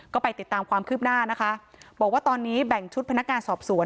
ก็ไปติดตามความคืบหน้านะคะบอกว่าตอนนี้แบ่งชุดพนักงานสอบสวน